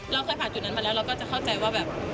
เราเคยผ่านจุดนั้นมาแล้วเราก็จะเข้าใจว่าแบบ